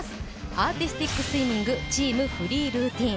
アーティスティックスイミングチーム・フリールーティン。